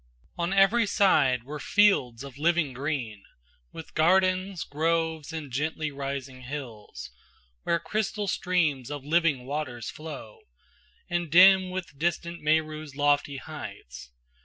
On every side were fields of living green, With gardens, groves and gently rising hills, Where crystal streams of living waters flow, And dim with distance Meru's lofty heights.